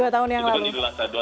dua tahun yang lalu